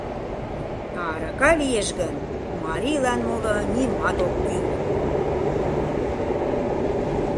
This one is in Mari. А арака лиеш гын, марийлан моло нимат ок кӱл...